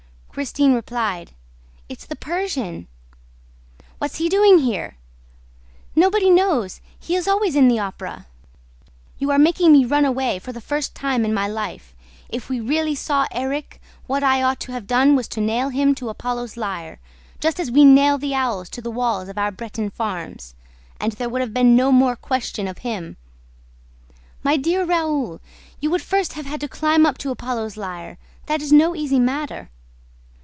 Christine replied: "It's the Persian." "What's he doing here?" "Nobody knows. He is always in the Opera." "You are making me run away, for the first time in my life. If we really saw Erik, what I ought to have done was to nail him to Apollo's lyre, just as we nail the owls to the walls of our Breton farms; and there would have been no more question of him." "My dear Raoul, you would first have had to climb up to Apollo's lyre: that is no easy matter."